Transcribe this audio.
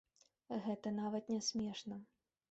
Гэта нават не смешна.